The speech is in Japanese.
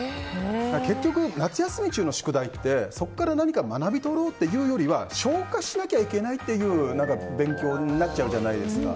結局、夏休み中の宿題ってそこから学び取ろうというよりは消化しなきゃいけないっていう勉強になっちゃうじゃないですか。